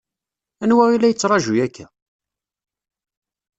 Anwa i la yettṛaǧu akka?